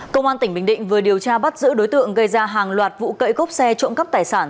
công an tp hcm vừa điều tra bắt giữ đối tượng gây ra hàng loạt vụ cậy gốc xe trộm cắp tài sản